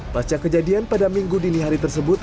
pasca kejadian pada minggu dini hari tersebut